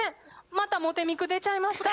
またモテミク出ちゃいました。